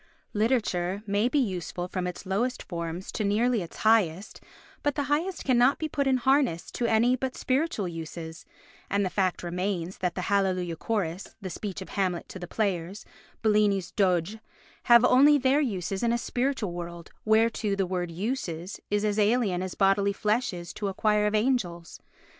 Literature may be useful from its lowest forms to nearly its highest, but the highest cannot be put in harness to any but spiritual uses; and the fact remains that the "Hallelujah Chorus," the speech of Hamlet to the players, Bellini's "Doge" have their only uses in a spiritual world whereto the word "uses" is as alien as bodily flesh is to a choir of angels.